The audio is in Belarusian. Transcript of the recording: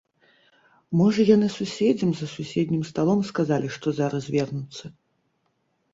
Можа яны суседзям за суседнім сталом сказалі, што зараз вернуцца?